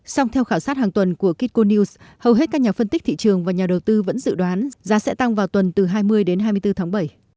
song theo khảo sát hàng tuần của kikonews hầu hết các nhà phân tích thị trường và nhà đầu tư vẫn dự đoán giá sẽ tăng vào tuần từ hai mươi đến hai mươi bốn tháng bảy